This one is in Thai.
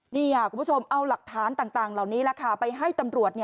นี่ค่ะคุณผู้ชมเอาหลักฐานต่างเหล่านี้ไปให้ตำรวจ